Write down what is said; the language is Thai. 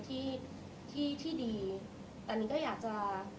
แต่หนึ่งก็อยากจะ